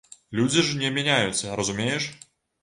Людзі ж не мяняюцца, разумееш.